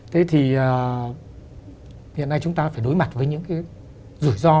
thế thì hiện nay chúng ta phải đối mặt với những cái rủi ro